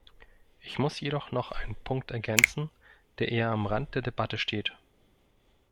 Ich muss jedoch noch einen Punkt ergänzen, der eher am Rand der Debatte steht.